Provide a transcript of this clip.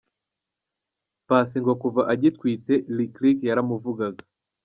Paccy ngo kuva agitwite, Lick Lick yaramuvugaga.